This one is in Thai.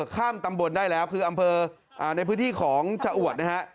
ข้ามตำบลได้แล้วคืออำเภอในพื้นที่ของชะอวดนะฮะ